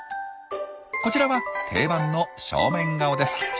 こちらは定番の正面顔です。